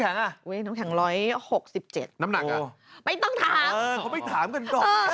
เออเขาไปถามกันด้วย